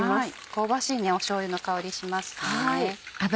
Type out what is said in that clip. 香ばしいしょうゆの香りしますね。